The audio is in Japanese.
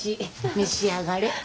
召し上がれ。